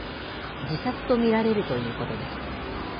自殺と見られるということです。